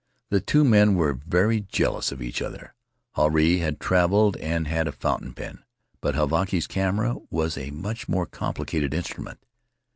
The two men were very jealous of each other. Huirai had traveled and had a fountain pen, but Havaiki's camera was a much more complicated instrument.